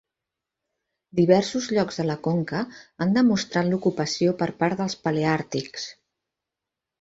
Diversos llocs de la conca han demostrat l'ocupació per part dels paleàrtics.